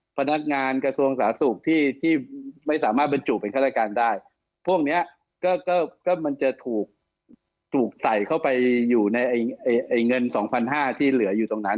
พนักงานกระทรวงสาธารณสุขที่ไม่สามารถบรรจุเป็นข้ารายการได้พวกนี้ก็มันจะถูกใส่เข้าไปอยู่ในเงิน๒๕๐๐บาทที่เหลืออยู่ตรงนั้น